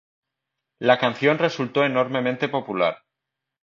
La canción resultó enormemente popular.